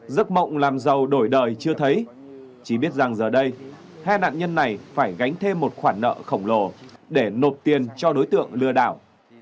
giấc mộng làm giàu đổi đời chưa thấy chỉ biết rằng giờ đây hai nạn nhân này phải gánh thêm một khoản nợ khổng lồ để nộp tiền cho đối tượng lừa đảo